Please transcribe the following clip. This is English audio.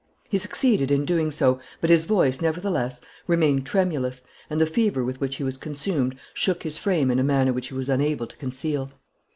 He succeeded in doing so, but his voice, nevertheless, remained tremulous, and the fever with which he was consumed shook his frame in a manner which he was unable to conceal.